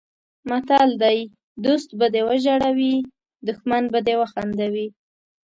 متل دی: دوست به دې وژړوي دښمن به دې وخندوي.